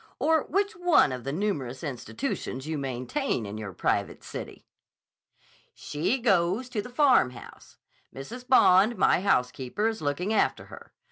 Or which one of the numerous institutions you maintain in your private city?" "She goes to the Farmhouse. Mrs. Bond, my housekeeper, is looking after her.